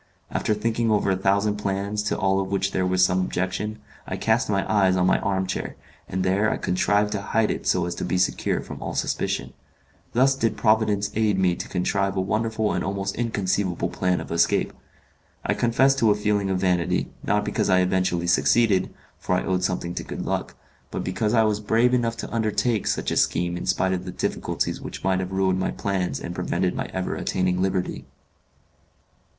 After thinking over a thousand plans, to all of which there was some objection, I cast my eyes on my arm chair, and there I contrived to hide it so as to be secure from all suspicion. Thus did Providence aid me to contrive a wonderful and almost inconceivable plan of escape. I confess to a feeling of vanity, not because I eventually succeeded for I owed something to good luck but because I was brave enough to undertake such a scheme in spite of the difficulties which might have ruined my plans and prevented my ever attaining liberty.